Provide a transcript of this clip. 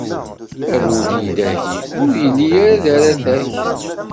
Abudid-ahi ur yelli ara d aratak.